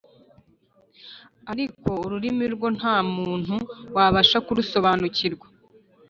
ariko ururimi rwo nta muntu Wabasha kurusobanukirwa